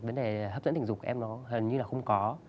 vấn đề hấp dẫn tình dục em nó hình như là không có